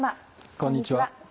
こんにちは。